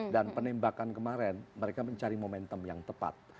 dan penembakan kemarin mereka mencari momentum yang tepat